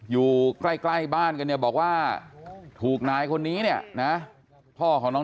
อยู่ใกล้บ้านกันเนี่ยบอกว่าถูกนายคนนี้เนี่ยนะพ่อของน้อง